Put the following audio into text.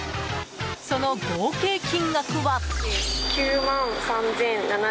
その合計金額は。